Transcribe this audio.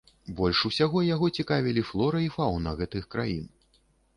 Больш усяго яго цікавілі флора і фаўна гэтых краін.